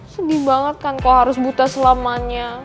sedih banget kan kalau harus buta selamanya